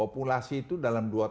maaf sa tidak mudah nih